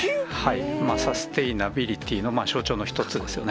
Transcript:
サステイナビリティーの象徴の一つですよね。